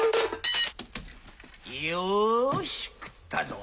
よし食ったぞ！